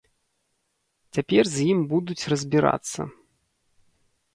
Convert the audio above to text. Цяпер з ім будуць разбірацца.